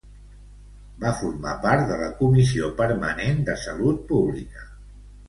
Va formar part de la Comissió Permanent de Salut Pública.